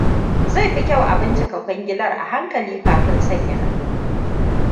Zai fi kyau a bincika kwangilar a hankali kafin sanya hannu.